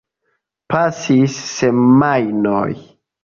Pasis semajnoj.